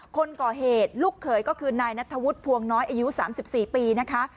คนก่อเหตุลูกเขยก็คือนายนัทธวุฒิภวงน้อยอายุ๓๔ปีนะคะ